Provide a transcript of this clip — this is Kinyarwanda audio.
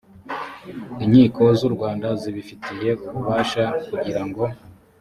inkiko z u rwanda zibifitiye ububasha kugirango